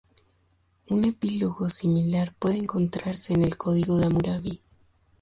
Un epílogo similar puede encontrarse en el código de Hammurabi.